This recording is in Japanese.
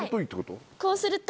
こうすると。